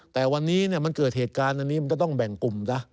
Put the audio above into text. แต่วันนี้มันเกิดเหตุการณ์อันนี้มันก็ต้องแบ่งกลุ่มซะ